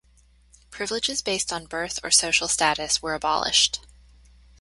Privileges based on birth or social status were abolished.